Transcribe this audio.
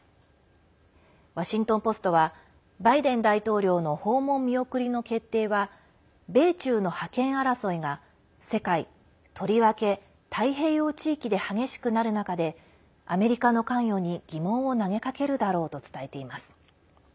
ワシントン・ポストはバイデン大統領の訪問見送りの決定は米中の覇権争いが世界、とりわけ太平洋地域で激しくなる中でアメリカの関与に疑問を投げかけるだろうと伝えています。